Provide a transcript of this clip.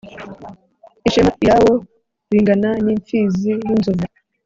Ishema lyawo lingana n’imfizi y’inzovu!